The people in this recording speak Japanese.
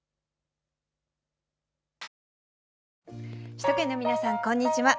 首都圏の皆さんこんにちは。